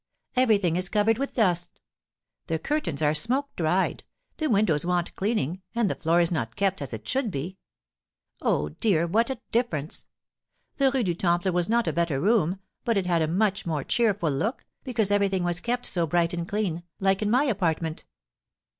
Everything is covered with dust. The curtains are smoke dried, the windows want cleaning, and the floor is not kept as it should be. Oh, dear, what a difference! The Rue du Temple was not a better room, but it had a much more cheerful look, because everything was kept so bright and clean, like in my apartment!"